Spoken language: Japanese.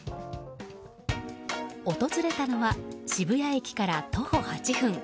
訪れたのは、渋谷駅から徒歩８分